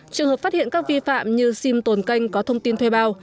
trường hợp phát hiện các vi phạm như sim tồn canh có thông tin thuê bao